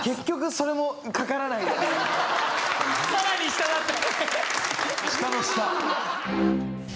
さらに下だった。